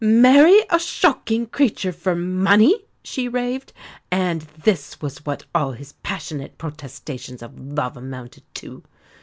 "Marry a shocking creature for money!" she raved; "and this was what all his passionate protestations of love amounted to!"